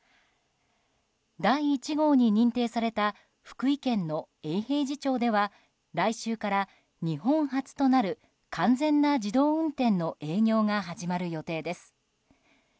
第１号に認定された福井県の永平寺町では来週から日本初となる完全な自動運転の営業が始まる予定です。